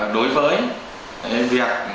đối với việc